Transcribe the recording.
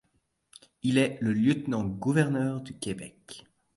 Il est le lieutenant-gouverneur du Québec.